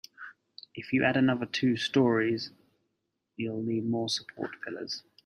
If you add another two storeys, you'll need more support pillars.